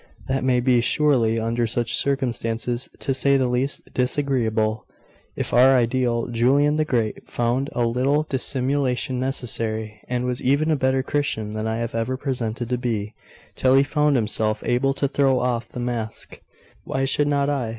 That may be, surely, under such circumstances, to say the least, disagreeable. If our ideal, Julian the Great, found a little dissimulation necessary, and was even a better Christian than I have ever pretended to be, till he found himself able to throw off the mask, why should not I?